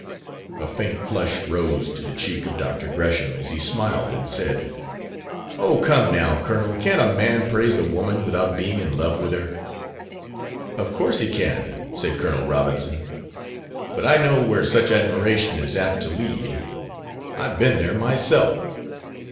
A faint flush rose to the cheek of Dr. Gresham as he smiled, and said, "Oh! come now, Colonel, can't a man praise a woman without being in love with her?" "Of course he can," said Col. Robinson; "but I know where such admiration is apt to lead. I've been there myself.